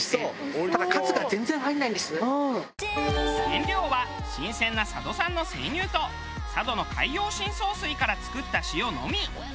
原料は新鮮な佐渡産の生乳と佐渡の海洋深層水から作った塩のみ。